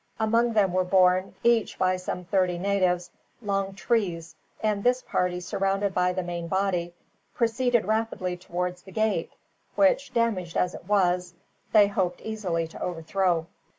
Among them were borne, each by some thirty natives, long trees; and this party, surrounded by the main body, proceeded rapidly towards the gate, which, damaged as it was, they hoped easily to overthrow.